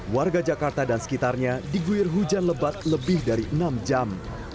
warga jakarta dan sekitarnya diguir hujan lebat lebih dari enam jam